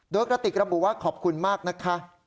โดยกระติกระบุว่าขอบคุณมากนะคะ